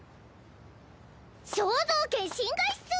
肖像権侵害っス！